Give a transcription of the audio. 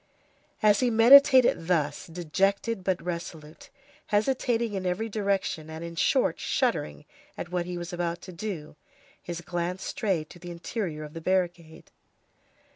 As he meditated thus, dejected but resolute, hesitating in every direction, and, in short, shuddering at what he was about to do, his glance strayed to the interior of the barricade.